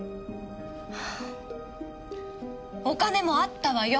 お金もあったわよ。